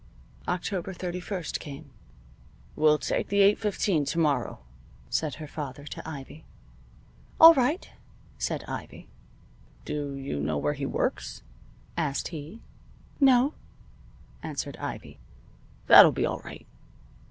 October thirty first came. "We'll take the eight fifteen to morrow," said her father to Ivy. "All right," said Ivy. "Do you know where he works?" asked he. "No," answered Ivy. "That'll be all right.